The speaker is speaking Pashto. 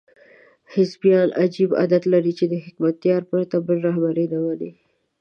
حزبیان عجیب عادت لري چې د حکمتیار پرته بل رهبر نه مني.